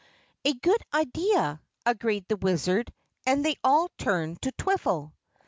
"A good idea," agreed the Wizard, and they all turned to Twiffle.